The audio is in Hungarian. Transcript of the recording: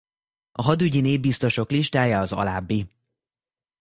A hadügyi népbiztosok listája az alábbi.